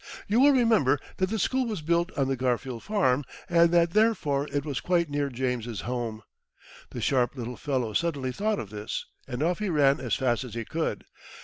You will remember that the school was built on the Garfield farm, and that therefore it was quite near James's home. The sharp little fellow suddenly thought of this, and off he ran as fast as he could.